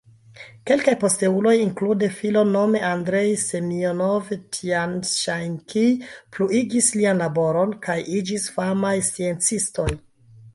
Kelkaj posteuloj, inklude filon, nome Andrej Semjonov-Tjan-Ŝanskij, pluigis lian laboron kaj iĝis famaj sciencistoj.